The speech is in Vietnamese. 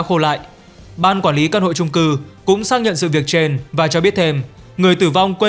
khô lại ban quản lý căn hộ trung cư cũng xác nhận sự việc trên và cho biết thêm người tử vong quê